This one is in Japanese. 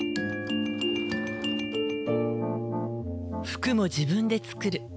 服も自分で作る。